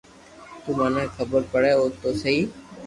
تو مني خبر پڙي تو سھي